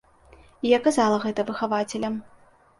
І я казала гэта выхавацелям.